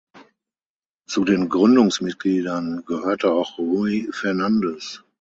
Zu den Gründungsmitgliedern gehörte auch Rui Fernandes.